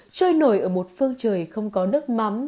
trôi nổi ở một phương trời không có nước mắm